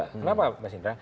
kenapa mas indra